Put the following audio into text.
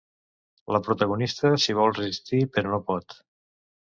La protagonista s’hi vol resistir, però no pot.